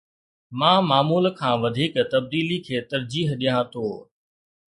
مان معمول کان وڌيڪ تبديلي کي ترجيح ڏيان ٿو